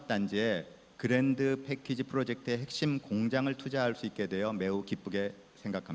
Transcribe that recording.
dan presiden jawa tengah